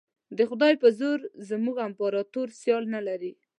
د خدای په زور زموږ امپراطور سیال نه لري.